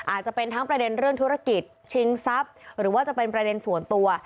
อาจจะเป็นทั้งประเด็นเรื่องธุรกิจชิงทรัพย์หรือว่าจะเป็นประเด็นส่วนตัว